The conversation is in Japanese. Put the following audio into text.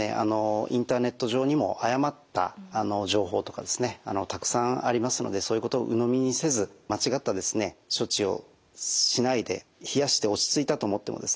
インターネット上にも誤った情報とかですねたくさんありますのでそういうことをうのみにせず間違った処置をしないで冷やして落ち着いたと思ってもですね